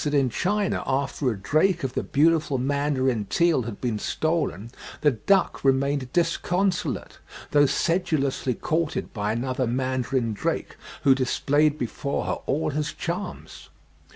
that in China after a drake of the beautiful mandarin Teal had been stolen, the duck remained disconsolate, though sedulously courted by another mandarin drake, who displayed before her all his charms.